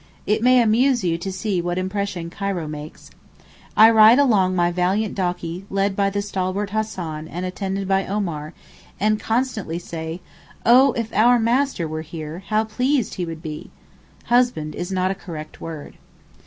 It may amuse you to see what impression Cairo makes. I ride along on my valiant donkey led by the stalwart Hassan and attended by Omar, and constantly say, 'Oh, if our master were here, how pleased he would be'—husband is not a correct word.